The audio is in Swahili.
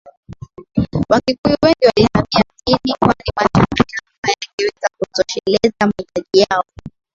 Wakikuyu wengi walihamia mijini kwani mashamba yao hayangeweza kutosheleza mahitaji yao